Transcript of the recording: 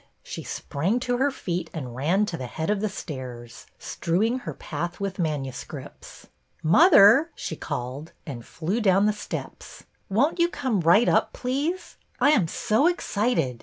She sprang to her feet and ran to the head of the stairs, strewing her path with manuscripts. Mother !" she called, and she flew down the steps, '' won't you come right up, please ? I am so excited.